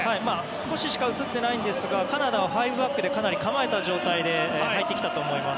少ししか映ってないですがカナダは５バックでかなり構えた状態で入ってきたと思います。